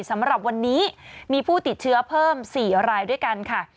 สำหรับวันนี้มีผู้ติดเชื้อเพิ่ม๔รายด้วยกันค่ะ